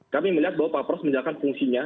kami melihat bahwa pak pras menjalankan fungsinya